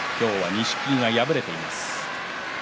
錦木が敗れています。